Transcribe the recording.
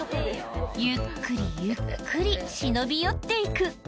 ゆっくりゆっくり忍び寄っていく。